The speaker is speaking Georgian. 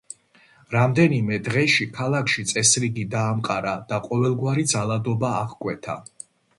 რამდენიმე დღეში ქალაქში წესრიგი დაამყარა და ყოველგვარი ძალადობა აღკვეთა.